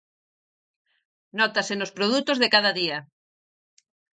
Nótase nos produtos de cada día.